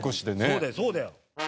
そうだよそうだよ！